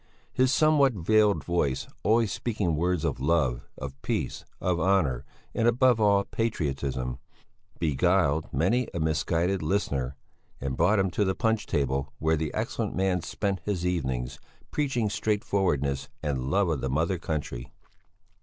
His somewhat veiled voice, always speaking words of love, of peace, of honour and above all of patriotism, beguiled many a misguided listener, and brought him to the punch table where the excellent man spent his evenings, preaching straightforwardness and love of the Mother Country.